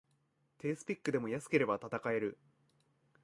低スペックでも安ければ戦える